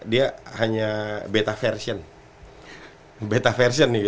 dia hanya beta version